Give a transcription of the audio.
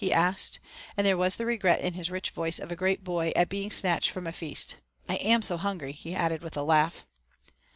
he asked, and there was the regret in his rich voice of a great boy at being snatched from a feast. "I am so hungry," he added with a laugh.